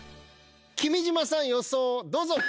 君島さん予想をどうぞ。